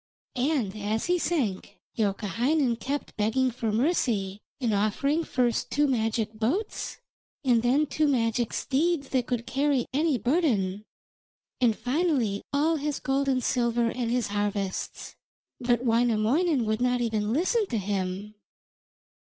And as he sank, Youkahainen kept begging for mercy, and offering first two magic boats, and then two magic steeds that could carry any burden, and finally all his gold and silver and his harvests, but Wainamoinen would not even listen to him.